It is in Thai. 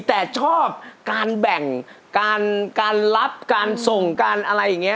แต่ชอบการแบ่งการรับการส่งการอะไรอย่างนี้